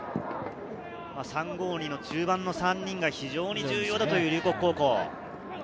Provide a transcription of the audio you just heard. ３−５−２の中盤の３人が非常に重要だという龍谷高校。